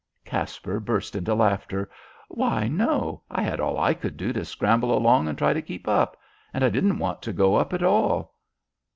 Caspar burst into laughter. "Why, no. I had all I could do to scramble along and try to keep up. And I didn't want to go up at all."